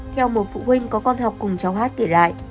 theo một phụ huynh có con học cùng cháu hát kể lại